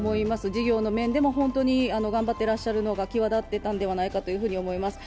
事業の面でも本当に頑張ってらっしゃるのが際立ってたんじゃないかと思います。